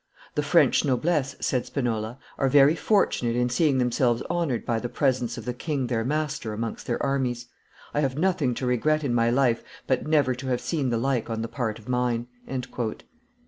"The French noblesse," said Spinola, "are very fortunate in seeing themselves honored by the presence of the king their master amongst their armies; I have nothing to regret in my life but never to have seen the like on the part of mine."